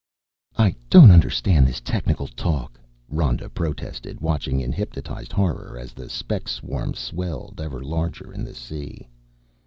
"I don't understand this technical talk," Rhoda protested, watching in hypnotized horror as the speck swarm swelled ever larger in the sea.